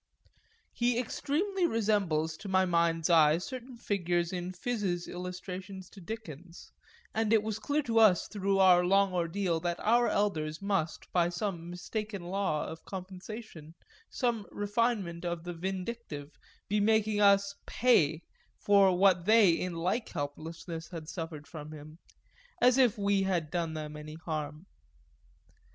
He extremely resembles, to my mind's eye, certain figures in Phiz's illustrations to Dickens, and it was clear to us through our long ordeal that our elders must, by some mistaken law of compensation, some refinement of the vindictive, be making us "pay" for what they in like helplessness had suffered from him: as if we had done them any harm!